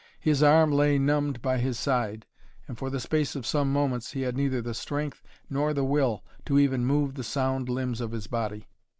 His arm lay numbed by his side, and for the space of some moments he had neither the strength nor the will to even move the sound limbs of his body.